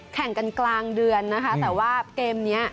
แข่งกันกลางเดือนนะคะแต่ว่าเกมนี้